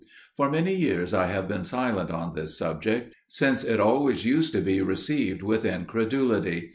For many years I have been silent on this subject; since it always used to be received with incredulity.